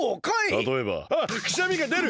たとえば「あくしゃみがでる！